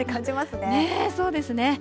ねぇ、そうですね。